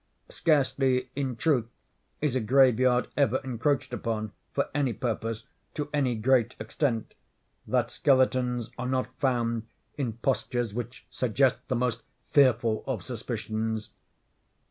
Scarcely, in truth, is a graveyard ever encroached upon, for any purpose, to any great extent, that skeletons are not found in postures which suggest the most fearful of suspicions.